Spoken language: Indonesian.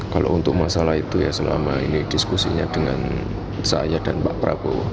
kalau untuk masalah itu ya selama ini diskusinya dengan saya dan pak prabowo